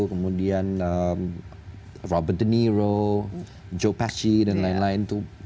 kemudian robert de niro joe pesci dan lain lain tuh